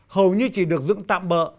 hầu như chỉ được dựng tạm bỡ